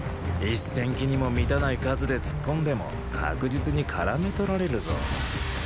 一千騎にも満たない数で突っ込んでも確実にからめ捕られるぞ